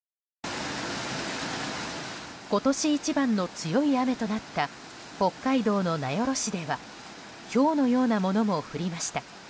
今年一番の強い雨となった北海道の名寄市ではひょうのようなものも降りました。